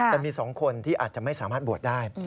แต่มี๒คนที่อาจจะไม่สามารถบวชได้